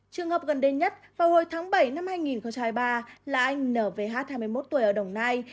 trường hợp gần đến nhất vào hồi tháng bảy năm hai nghìn hai mươi ba là anh nở vh hai mươi một tuổi ở đồng nai